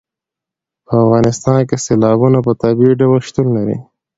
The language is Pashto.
په افغانستان کې سیلابونه په طبیعي ډول شتون لري.